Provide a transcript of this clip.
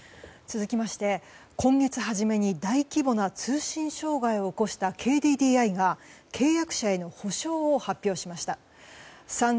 続きまして、今月初めに大規模な通信障害を起こしたＫＤＤＩが契約者への補償を発表しました。